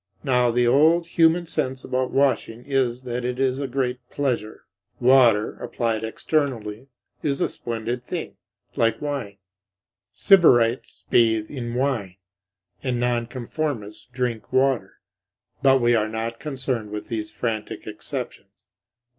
Now the old human common sense about washing is that it is a great pleasure. Water (applied externally) is a splendid thing, like wine. Sybarites bathe in wine, and Nonconformists drink water; but we are not concerned with these frantic exceptions.